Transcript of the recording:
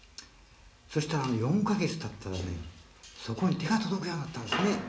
そしたら、４カ月たったらそこに手が届くようになったんですね。